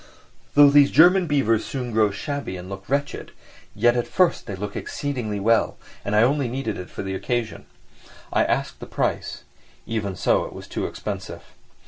Though these German beavers soon grow shabby and look wretched, yet at first they look exceedingly well, and I only needed it for the occasion. I asked the price; even so, it was too expensive.